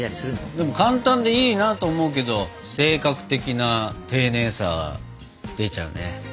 でも簡単でいいなと思うけど性格的な丁寧さ出ちゃうね。